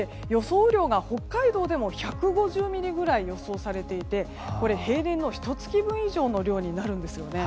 雨量が北海道でも１５０ミリぐらい予想されていて平年のひと月分以上の量になるんですよね。